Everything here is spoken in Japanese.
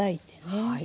はい。